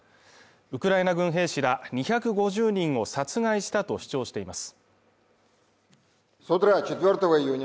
ウクライナ軍兵士ら２５０人を殺害したと主張しています。